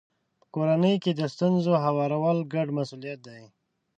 په کورنۍ کې د ستونزو هوارول ګډ مسولیت دی.